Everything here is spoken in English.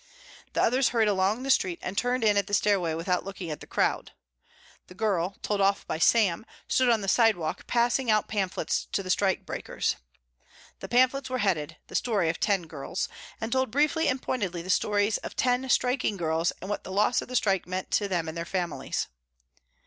The others hurried along the street and turned in at the stairway without looking at the crowd. The girl, told off by Sam, stood on the sidewalk passing out pamphlets to the strikebreakers. The pamphlets were headed, "The Story of Ten Girls," and told briefly and pointedly the stories of ten striking girls and what the loss of the strike meant to them and to their families.